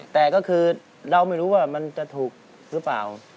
แต่ก็คือเราไม่รู้ว่ามันจะถูกหรือเปล่า